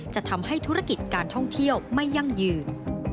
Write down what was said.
จะทำให้ธุรกิจการท่องเที่ยวไม่ยั่งยืน